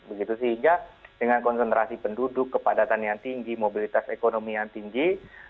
begitu sehingga dengan konsentrasi penduduk kepadatan yang tinggi mobilitas ekonomi yang tinggi